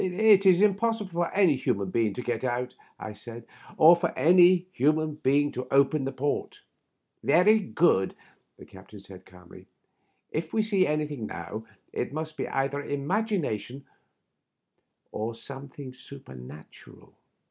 " It is impossible for any human being to get in," I said, "or for any human being to open the port." "Yery good," said the captain, calmly. "If we see anything now, it must be either imagination or some thing supernatural."